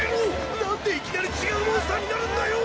なんでいきなり違うモンスターになるんだよ！